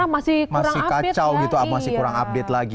masih kacau gitu masih kurang update lagi